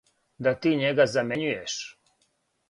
Да ти њега замењујеш